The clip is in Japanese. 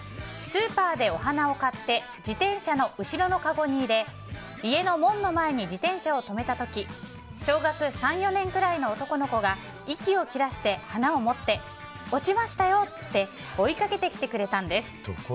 スーパーでお花を買って自転車の後ろのかごに入れ家の門の前に自転車を止めた時小学３４年ぐらいの男の子が息を切らして花を持って落ちましたよって追いかけてきてくれたんです。